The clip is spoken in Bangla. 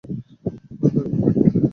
আর তার বিপরীতটা?